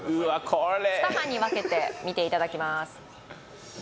これ２班に分けて見ていただきます